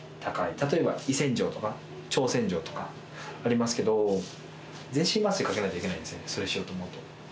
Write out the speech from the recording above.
例えば胃洗浄とか、腸洗浄とかありますけれど、全身麻酔をかけないといけないんですよね、それしようと思うと。